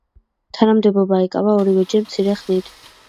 თანამდებობა ეკავა ორივეჯერ მცირე ხნით.